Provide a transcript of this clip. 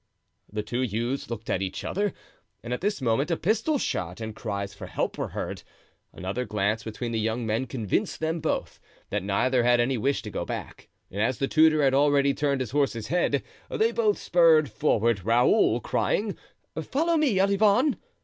The two youths looked at each other, and at this moment a pistol shot and cries for help were heard. Another glance between the young men convinced them both that neither had any wish to go back, and as the tutor had already turned his horse's head, they both spurred forward, Raoul crying: "Follow me, Olivain!"